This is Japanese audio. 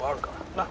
なっ。